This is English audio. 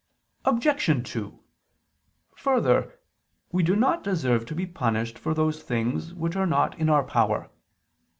Obj. 2: Further, we do not deserve to be punished for those things which are not in our power.